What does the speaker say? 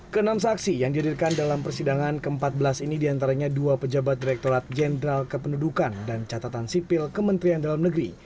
ke enam saksi yang dihadirkan dalam persidangan ke empat belas ini diantaranya dua pejabat direkturat jenderal kependudukan dan catatan sipil kementerian dalam negeri